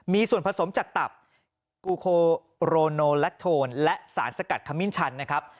มีส่วนผสมจากตับกูโคโรโนแลคโทนและสารสกัดขมิ้นชันนะครับ